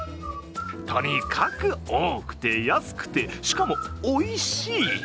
とにかく多くて安くて、しかもおいしい。